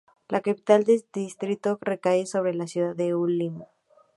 La capital del distrito recae sobre la ciudad de Ulm.